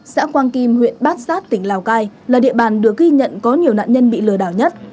xã quang kim huyện bát sát tỉnh lào cai là địa bàn được ghi nhận có nhiều nạn nhân bị lừa đảo nhất